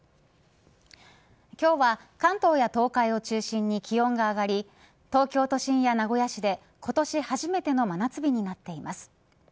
今日は、関東や東海を中心に気温が上がり東京都心や名古屋市で今年初めての真夏日になっています。